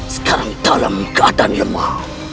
sekarang dalam keadaan lemah